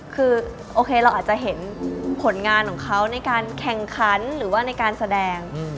คือโอเคเราอาจจะเห็นผลงานของเขาในการแข่งขันหรือว่าในการแสดง